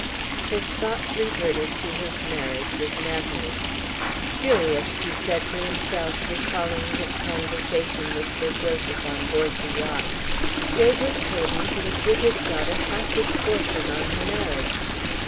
His thoughts reverted to his marriage with Natalie. "Curious!" he said to himself, recalling his conversation with Sir Joseph on board the yacht. "Graybrooke told me he would give his daughter half his fortune on her marriage.